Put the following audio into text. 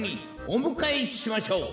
おむかえしましょう。